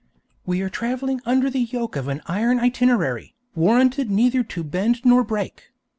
We are travelling under the yoke of an iron itinerary, warranted neither to bend nor break.